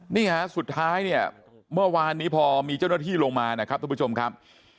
นี่ฮะสุดท้ายเนี่ยเมื่อวานนี้พอมีเจ้าหน้าที่ลงมานะครับทุกผู้ชมครับ